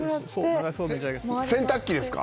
洗濯機ですか？